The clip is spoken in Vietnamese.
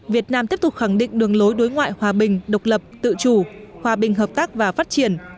việt nam tiếp tục khẳng định đường lối đối ngoại hòa bình độc lập tự chủ hòa bình hợp tác và phát triển